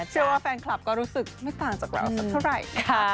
เชื่อว่าแฟนคลับก็รู้สึกไม่ต่างจากเราสักเท่าไหร่นะคะ